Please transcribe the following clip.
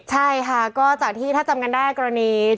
ใช่ค่ะก็จากที่ถ้าจำกันได้กรณี